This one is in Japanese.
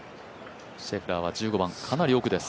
シェフラーは１５番、かなり奥です。